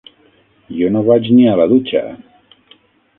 Jo no vaig ni a la dutxa.